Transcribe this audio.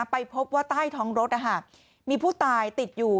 ไปพบว่าใต้ท้องรถมีผู้ตายติดอยู่